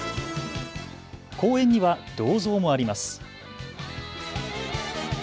公園には銅像もあります。